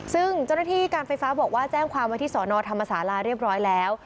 ซึ่งเจ้าหน้าที่การไฟฟ้าบอกว่าแจ้งความว่าที่สอนอธรรมศาลาเรียบร้อยแล้ว